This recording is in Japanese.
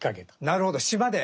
なるほど「しま」で。